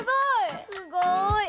すごい！